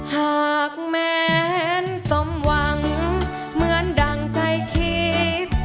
หากแม้นสมหวังเหมือนดั่งใจคิด